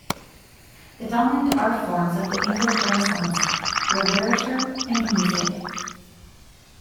The dominant art forms of the English Renaissance were literature and music.